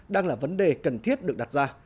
đang là vấn đề cần thiết được đặt ra